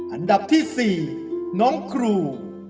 อันดับที่๔น้องครู